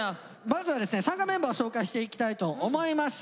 まずはですね参加メンバーを紹介していきたいと思います。